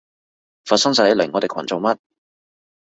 佛山仔嚟我哋群做乜？